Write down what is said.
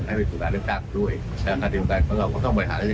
เดี๋ยวจะพูดอะไรเพิ่มเติมอยากจะพูดสิมีหรือ